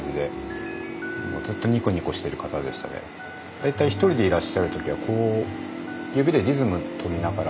大体１人でいらっしゃる時は指でリズムとりながら。